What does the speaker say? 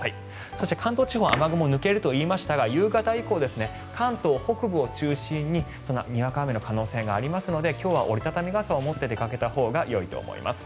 そして、関東地方雨雲が抜けるといいましたが夕方以降、関東北部を中心ににわか雨の可能性がありますので今日は折り畳み傘を持ってよいと思います。